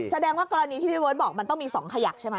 แสดงว่ากรณีที่พี่เบิร์ตบอกมันต้องมี๒ขยักใช่ไหม